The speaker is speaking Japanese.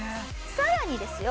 さらにですよ